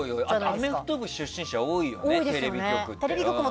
アメフト部出身者多いよねテレビ局って。